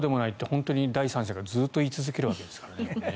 本当に第三者がずっと言い続けるわけですからね。